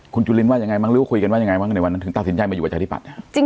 คุณจุลินว่ายังไงบ้างหรือว่าคุยกันว่ายังไงบ้างในวันนั้นถึงตัดสินใจมาอยู่ประชาธิปัตย์